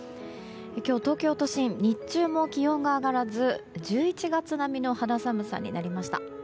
今日、東京都心日中も気温が上がらず１１月並みの肌寒さになりました。